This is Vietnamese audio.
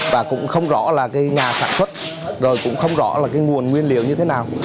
và cũng không rõ là cái nhà sản xuất rồi cũng không rõ là cái nguồn nguyên liệu như thế nào